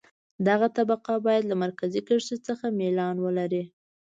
دغه طبقه باید له مرکزي کرښې څخه میلان ولري